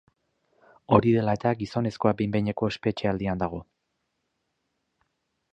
Hori dela eta, gizonezkoa behin-behineko espetxealdian dago.